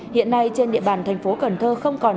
hiện nay trên địa bàn tp cần thơ không còn